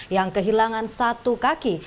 yang kehilangan satu kaki